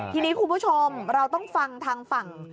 ทีนี้คุณผู้ชมเราต้องฟังทางฝั่ง